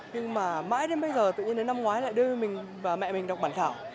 nhưng mà mãi đến bây giờ tự nhiên đến năm ngoái lại đưa mình và mẹ mình đọc bản thảo